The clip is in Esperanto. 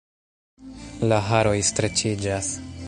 La haroj streĉiĝas.